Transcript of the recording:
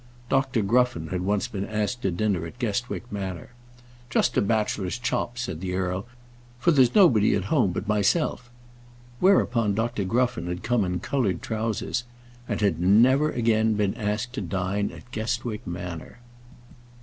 Dr. Gruffen had once been asked to dinner at Guestwick Manor. "Just a bachelor's chop," said the earl; "for there's nobody at home but myself." Whereupon Dr. Gruffen had come in coloured trowsers, and had never again been asked to dine at Guestwick Manor.